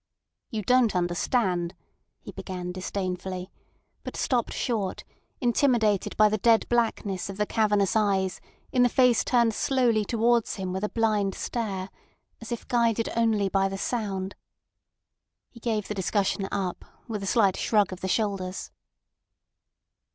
"You don't understand," he began disdainfully, but stopped short, intimidated by the dead blackness of the cavernous eyes in the face turned slowly towards him with a blind stare, as if guided only by the sound. He gave the discussion up, with a slight shrug of the shoulders.